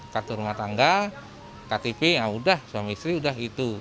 kartu rumah tangga ktp ya udah suami istri udah itu